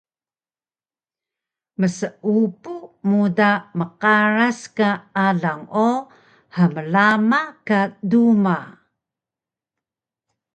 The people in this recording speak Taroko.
Mseupu muda mqaras ka alang o hmlama ka duma